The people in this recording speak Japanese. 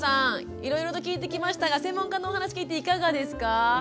いろいろと聞いてきましたが専門家のお話聞いていかがですか？